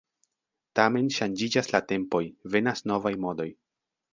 Tamen ŝanĝiĝas la tempoj, venas novaj modoj.